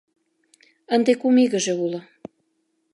Ынде кум игыже уло.